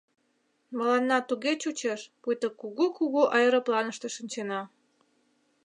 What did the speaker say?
Мыланна туге чучеш, пуйто кугу-кугу аэропланыште шинчена.